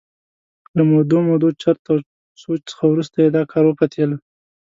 له مودو مودو چرت او سوچ څخه وروسته یې دا کار وپتېله.